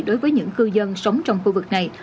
đối với những cư dân sống trong khu vực này